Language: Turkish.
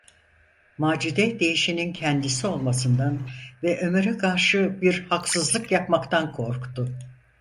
Macide değişenin kendisi olmasından ve Ömer’e karşı bir haksızlık yapmaktan korktu.